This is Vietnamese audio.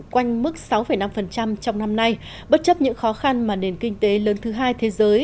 quanh mức sáu năm trong năm nay bất chấp những khó khăn mà nền kinh tế lớn thứ hai thế giới